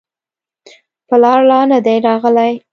پلار لا نه دی راغلی.